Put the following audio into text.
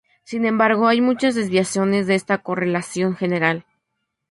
Sin embargo, hay muchas desviaciones de esta correlación general.